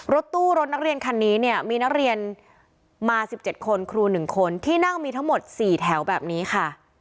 รถตู้รถนักเรียนคันนี้เนี่ยมีนักเรียนมา๑๗คนครู๑คนที่นั่งมีทั้งหมด๔แถวแบบนี้ค่ะ